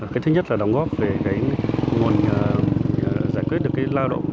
cái thứ nhất là đóng góp về cái nguồn giải quyết được cái lao động của các mô hình phát triển kinh tế